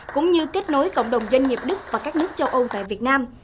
cũng như kết nối cộng đồng doanh nghiệp đức và các nước châu âu tại việt nam